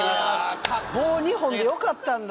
棒２本でよかったんだ。